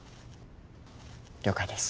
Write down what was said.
了解です。